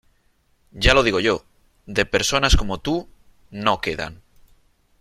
Ya lo digo yo; de personas como tú, no quedan.